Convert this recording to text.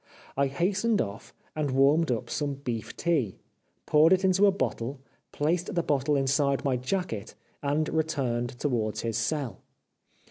I hastened off, and warmed up some beef tea, poured it into a bottle, placed the bottle inside my jacket, and returned to wards his cell.